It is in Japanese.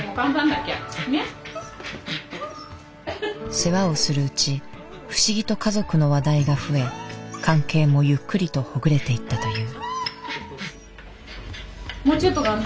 世話をするうち不思議と家族の話題が増え関係もゆっくりとほぐれていったという。